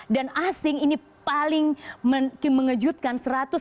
dan asing ini paling mengejutkan